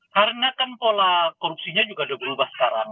karena kan pola korupsinya juga sudah berubah